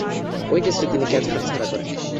ঐ টেস্টে তিনি ক্যাচ হাতছাড়া করেন।